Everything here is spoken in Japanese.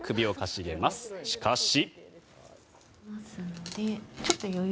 しかし。